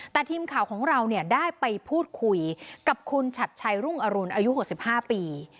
แต่ทีมข่าวของเราเนี่ยได้ไปพูดคุยกับคุณฉัดชัยรุ่งอรุณอายุหกสิบห้าปี